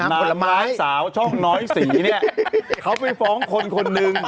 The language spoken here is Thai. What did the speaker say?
ผลไม้สาวช่องน้อยสีเนี่ยเขาไปฟ้องคนคนหนึ่ง